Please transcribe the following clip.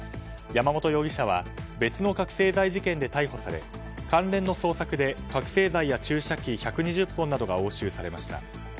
山本容疑者は別の覚醒剤事件で逮捕され関連の捜索で覚醒剤や注射器１２０本などが押収されました。